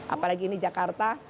apalagi ini jakarta